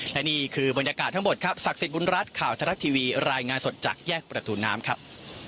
และนี่คือบรรยากาศทั้งหมดครับศักดิ์สิทธิบุญรัฐข่าวทรัฐทีวีรายงานสดจากแยกประตูน้ำครับ